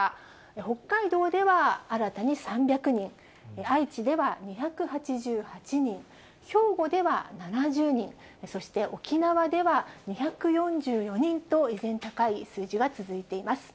北海道では新たに３００人、愛知では２８８人、兵庫では７０人、そして沖縄では２４４人と、依然、高い数字が続いています。